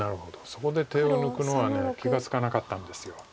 そこで手を抜くのは気が付かなかったんです。